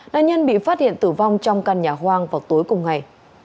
nạn nhân bị phát hiện tử vong trong căn nhà hoang vào tối cùng ngày